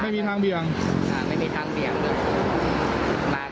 ไม่มีทางเบียงนะครับไม่มีทางเบียงนะครับ